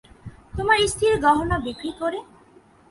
তোমার স্ত্রীর গহনা বিক্রি করে।